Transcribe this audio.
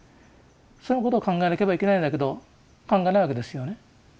そのことを考えなければいけないんだけど考えないわけですよね。